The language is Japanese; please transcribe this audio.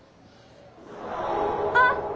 あっ！